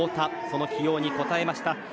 その起用に応えました。